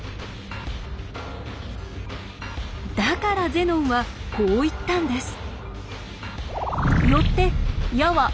だからゼノンはこう言ったんです。